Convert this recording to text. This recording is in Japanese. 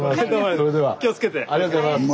ありがとうございます。